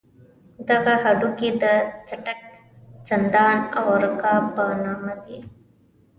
دغه هډوکي د څټک، سندان او رکاب په نامه دي.